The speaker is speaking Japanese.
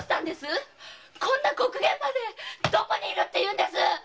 こんな刻限までどこにいるっていうんです！